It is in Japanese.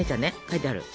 書いてある。